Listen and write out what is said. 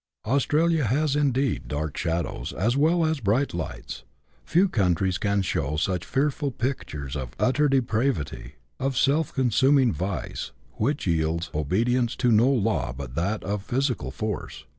Australia has indeed dark shadows, as well as bright lights ; few countries can show such fearful pictures of utter depravity, of self consuming vice, which yields obedience to no law but that of physical force.